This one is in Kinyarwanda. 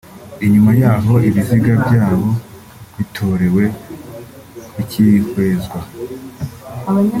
Inyuma yaho ibiziga vyabo bitorewe bikihwezwa